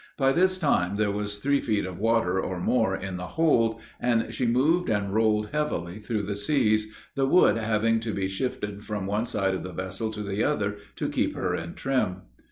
By this time there was three feet of water or more in the hold, and she moved and rolled heavily through the seas, the wood having to be shifted from one side of the vessel to the other, to keep her in trim.